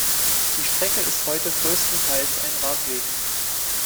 Die Strecke ist heute größtenteils ein Radweg.